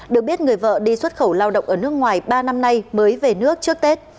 được biết người vợ đi xuất khẩu lao động ở nước ngoài ba năm nay mới về nước trước tết